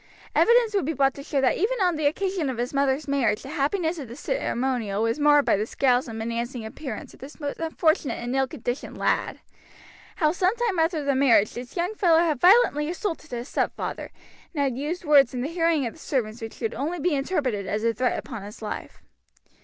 Evidence would be brought to show that even on the occasion of his mother's marriage the happiness of the ceremonial was marred by the scowls and menacing appearance of this most unfortunate and ill conditioned lad; how some time after the marriage this young fellow had violently assaulted his stepfather, and had used words in the hearing of the servants which could only be interpreted as a threat upon his life.